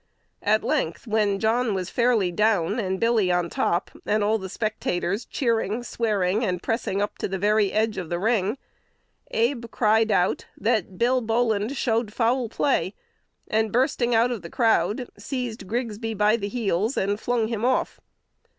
At length, when John was fairly down, and Billy on top, and all the spectators cheering, swearing, and pressing up to the very edge of the ring, Abe cried out that "Bill Boland showed foul play," and, bursting out of the crowd, seized Grigsby by the heels, and flung him off.